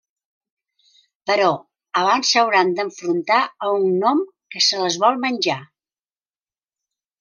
Però, abans s'hauran d'enfrontar a un gnom que se les vol menjar.